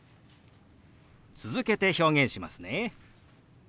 続けて表現しますね。